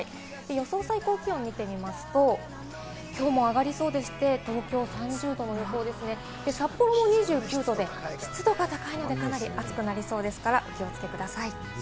予想最高気温を見てみますと、きょうも上がりそうで、東京３０度、札幌も２９度で湿度が高いので、かなり暑くなりそうですから、お気をつけください。